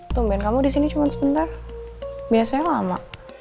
tumben kamu di sini cuma sebentar biasanya lama